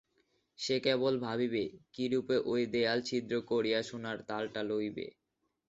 সে কেবল ভাবিবে কিরূপে ঐ দেওয়াল ছিদ্র করিয়া সোনার তালটা লইবে।